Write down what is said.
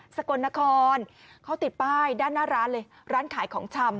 สกลนครเขาติดป้ายด้านหน้าร้านเลยร้านขายของชำ